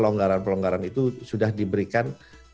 pelonggaran pelonggaran itu sudah diberikan